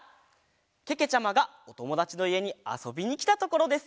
けけちゃまがおともだちのいえにあそびにきたところです。